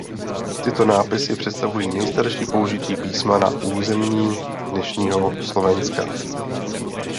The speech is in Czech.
Tyto nápisy představují nejstarší použití písma na územní dnešního Slovenska.